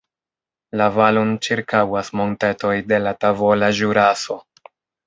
La valon ĉirkaŭas montetoj de la Tavola Ĵuraso.